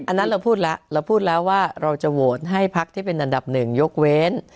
อันนั้นเราพูดแล้วเราพูดแล้วว่าเราจะโหวตให้พักที่เป็นอันดับหนึ่งยกเว้น